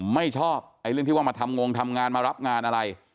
ไม่ชอบไอ้เรื่องที่ว่ามาทำงงทำงานมารับงานอะไร